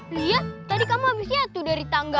liat tadi kamu habis nyatu dari tangga